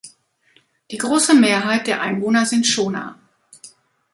Die große Mehrheit der Einwohner sind Shona.